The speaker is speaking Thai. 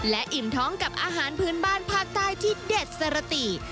และอิ่มท้องกับอาหารพื้นบ้านภาคใต้ที่เด็ดสรติ